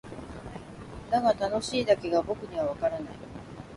だが「楽しい」だけが僕にはわからない。